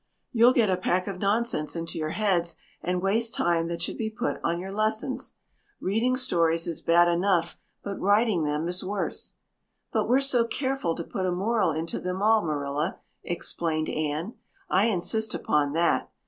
"You'll get a pack of nonsense into your heads and waste time that should be put on your lessons. Reading stories is bad enough but writing them is worse." "But we're so careful to put a moral into them all, Marilla," explained Anne. "I insist upon that.